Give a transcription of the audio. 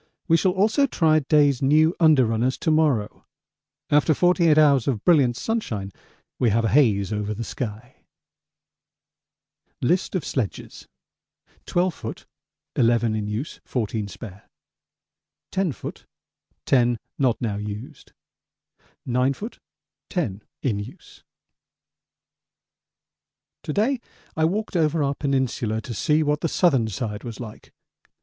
We shall also try Day's new under runners to morrow. After 48 hours of brilliant sunshine we have a haze over the sky. List of sledges: 12 ft. 11 in use 14 spare 10 ft. 10 not now used 9 ft. 10 in use To day I walked over our peninsula to see what the southern side was like.